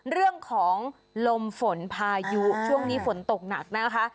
เรื่องของลมฝนพายุช่วงนี้ฝนตกหนักนะคะ